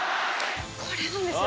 これなんですよ。